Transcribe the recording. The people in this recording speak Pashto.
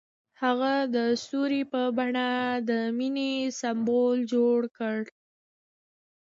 هغه د ستوري په بڼه د مینې سمبول جوړ کړ.